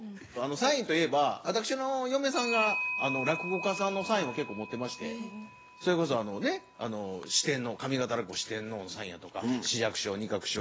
サインといえば私の嫁さんが落語家さんのサインを結構持ってましてそれこそあのね上方落語四天王のサインやとか枝雀師匠仁鶴師匠